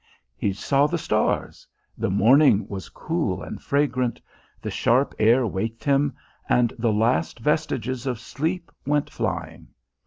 He saw the stars. The morning was cool and fragrant, the sharp air waked him, and the last vestiges of sleep went flying.